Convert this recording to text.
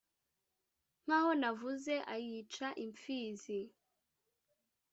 Nk' aho navuze ayica impfizi.